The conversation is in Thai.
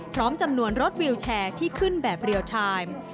พร้อมจำนวนรถวิวแชร์ที่ขึ้นแบบเรียลไทม์